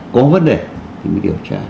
có vấn đề thì mới điều tra